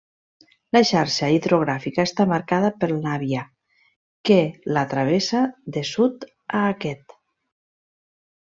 La xarxa hidrogràfica està marcada pel Navia que la travessa de sud a aquest.